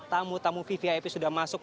tamu tamu vvip sudah masuk